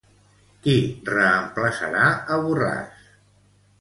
Qui reemplaçarà a Borràs?